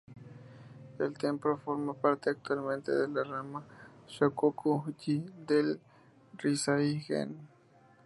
El templo forma parte actualmente de la rama Shokoku-ji del Rinzai Zen.